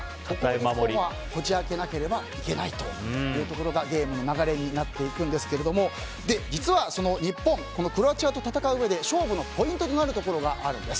日本はこじ開けなければいけないというところがゲームの流れになっていくんですけども実は日本クロアチアと戦ううえで勝負のポイントとなるところがあるんです。